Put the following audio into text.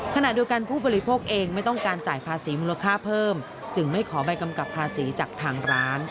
ขนาดเดีวยังกันผู้ประหลีพวกเองไม่ต้องการจ่ายภาษีมูลค่าเพิ่มจึงไม่ขอแบบแบ่กำกับภาษีจากทางร้าน